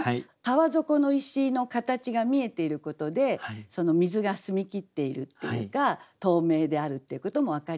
川底の石の形が見えていることで水が澄み切っているっていうか透明であるっていうことも分かりますし。